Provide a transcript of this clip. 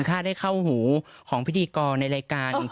ถ้าได้เข้าหูของพิธีกรในรายการ